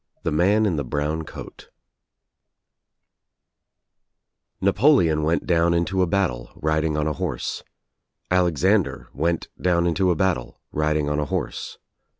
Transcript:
I THE MAN IN THE BROWN COAT Napoleon went down into a battle riding on a horse. Alexander went down into a battle riding on a horse.